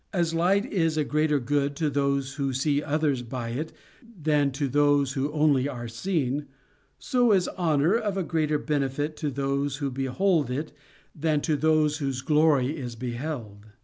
As light is a greater good to those who see others by it than to those who only are seen, so is honor of a greater benefit to those who behold it than to those whose glory is beheld.